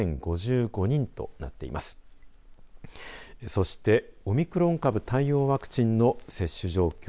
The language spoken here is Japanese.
そして、オミクロン株対応ワクチンの接種状況